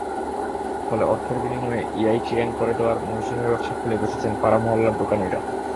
ফলে অর্থের বিনিময়ে ইটিআইএন করে দেওয়ার মৌসুমি ব্যবসা খুলে বসেছেন পাড়া-মহল্লার দোকানিরা।